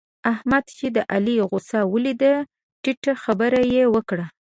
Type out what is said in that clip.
احمد چې د علي غوسه وليده؛ ټيټه خبره يې وکړه.